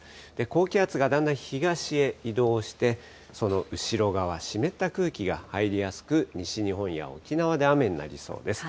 高気圧がだんだん東へ移動して、その後ろ側、湿った空気が入りやすく、西日本や沖縄で雨になりそうです。